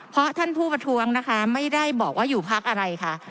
เพราะท่านผู้ประท้วงนะคะไม่ได้บอกว่าอยู่พักอะไรค่ะ